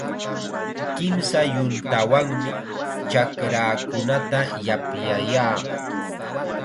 Kimsa yuntawanmi chakraakunata yapyayaa.